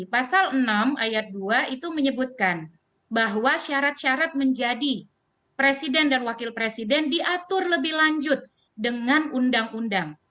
pasal enam ayat dua itu menyebutkan bahwa syarat syarat menjadi presiden dan wakil presiden diatur lebih lanjut dengan undang undang